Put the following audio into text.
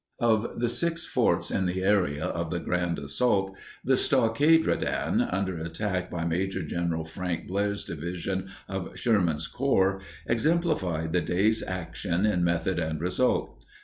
] Of the six forts in the area of the grand assault, the Stockade Redan, under attack by Maj. Gen. Frank Blair's Division of Sherman's Corps, exemplified the day's action in method and result.